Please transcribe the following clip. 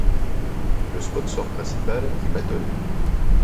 Le sponsor principal est Mattoni.